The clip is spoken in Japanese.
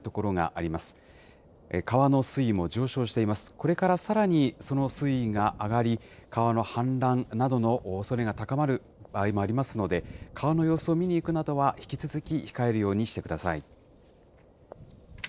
これからさらにその水位が上がり、川の氾濫などのおそれが高まる場合もありますので、川の様子を見に行くなどは、引き続き控えるようにしてください。